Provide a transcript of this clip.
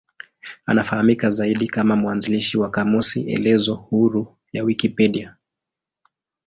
Anafahamika zaidi kama mwanzilishi wa kamusi elezo huru ya Wikipedia.